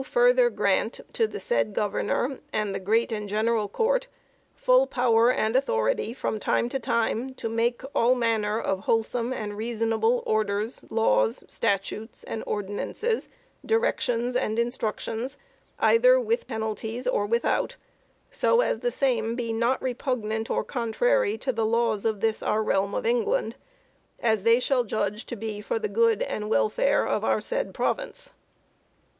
. further ... grant to the said Governor and the great and Generall Court ... full power and Authority from time to time to make ... all manner of wholesome and reasonable Orders Laws Statutes and Ordinances Directions and Instructions either with penalties or without (soe as the same be not repugnant or contrary to the Lawes of this our Realme of England) as they shall Judge to be for the good and welfare of our said Province